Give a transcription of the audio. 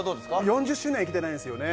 ４０周年は行けてないんですよね